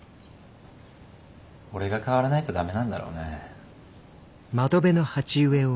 俺が変わらないとダメなんだろうね。